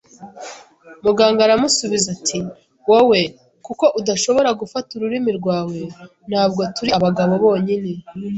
Muganga aramusubiza ati: “Wowe; “Kuko udashobora gufata ururimi rwawe. Ntabwo turi abagabo bonyine